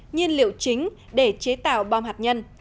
nhiên liệu chính để chế tạo bom hạt nhân